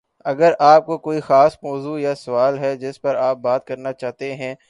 اگر آپ کو کوئی خاص موضوع یا سوال ہے جس پر آپ بات کرنا چاہتے ہیں